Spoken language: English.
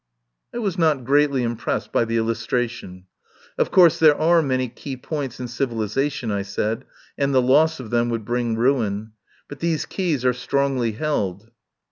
I was not greatly impressed by the illus tration. "Of course, there are many key points in civilisation," I said, "and the loss of them would bring ruin. But these keys are strongly held."